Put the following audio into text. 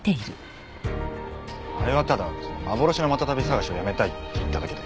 あれはただ幻のマタタビ探しをやめたいって言っただけで。